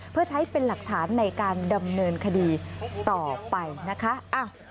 เพื่อใช้เป็นหลักฐานในการดำเนินคดีต่อไปนะคะ